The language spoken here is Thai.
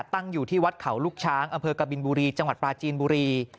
ตั้งอยู่ที่วัดเขาลูกช้างอำเภอกบินบุรีจังหวัดปลาจีนบุรี